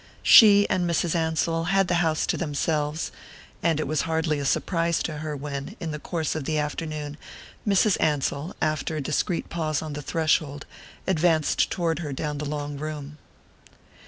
She and Mrs. Ansell had the house to themselves; and it was hardly a surprise to her when, in the course of the afternoon, Mrs. Ansell, after a discreet pause on the threshold, advanced toward her down the long room.